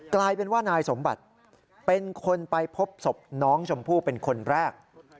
กลายเป็นว่านายสมบัติเป็นคนไปพบศพน้องชมพู่เป็นคนแรก